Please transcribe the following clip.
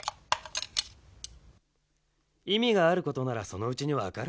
いみがあることならそのうちにわかるだろ。